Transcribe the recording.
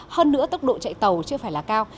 hơn nữa tốc độ chạy tàu chưa phải là cao